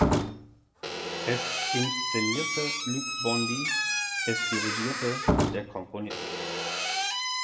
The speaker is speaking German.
Es inszenierte Luc Bondy, es dirigierte der Komponist.